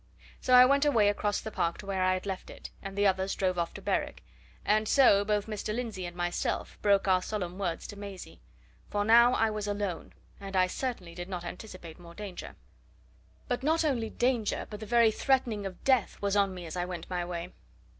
So I went away across the park to where I had left it, and the others drove off to Berwick and so both Mr. Lindsey and myself broke our solemn words to Maisie. For now I was alone and I certainly did not anticipate more danger. But not only danger, but the very threatening of death was on me as I went my way.